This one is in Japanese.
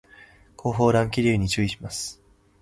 後方乱気流に注意します